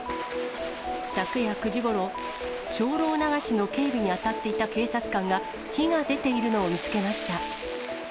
昨夜９時ごろ、精霊流しの警備に当たっていた警察官が、火が出ているのを見つけました。